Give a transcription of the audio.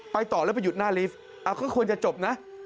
ต่อแล้วไปหยุดหน้าลิฟต์ก็ควรจะจบนะ